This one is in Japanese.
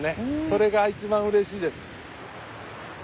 それが一番うれしいです。